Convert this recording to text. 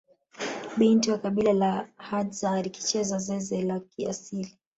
Binti wa kabila la hadza akicheza zeze ya kiasili